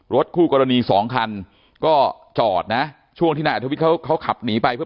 รถคู่กรณี๒คันก็จอดช่วงที่นายอัฐวิทย์เขาขับหนีไป